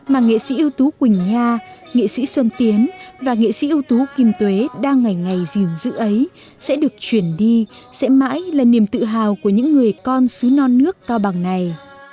mà nghệ sĩ ưu tú quỳnh nha nghệ sĩ xuân tiến và nghệ sĩ ưu tú kim tuế đang ngày ngày gìn giữ ấy sẽ được truyền đi sẽ mãi là niềm tự hào của những người con sứ non nước cao bằng này